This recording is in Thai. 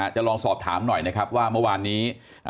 จะลองสอบถามหน่อยนะครับว่าเมื่อวานนี้